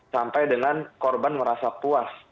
sampai dengan korban merasa puas